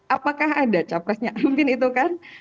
apakah ada capresnya amin itu kan